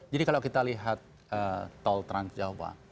jadi kalau kita lihat tol trans jawa